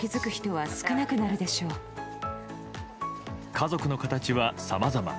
家族の形はさまざま。